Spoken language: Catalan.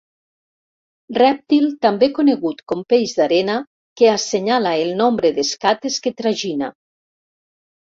Rèptil també conegut com peix d'arena que assenyala el nombre d'escates que tragina.